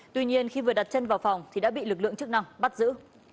tuy nhiên khi vừa đặt chân vào phòng thì đã bị lực lượng chức năng bắt giữ